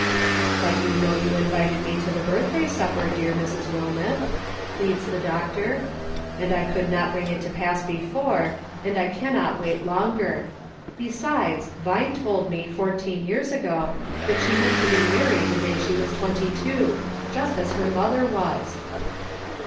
" But you know you invited me to the birthday supper, dear Mrs. Wilmeth," pleads the doctor, "and I could not bring it to pass before, and I can not wait longer ; besides, Vine told me, fourteen years ago, that she meant to be married the day 3he was twenty two, just as her mother was